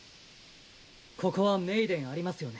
ここはメイデンありますよね。